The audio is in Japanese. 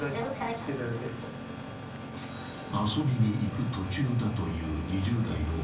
［遊びに行く途中だという］